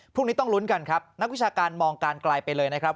พรุ่งนี้ต้องลุ้นกันครับนักวิชาการมองการไกลไปเลยนะครับ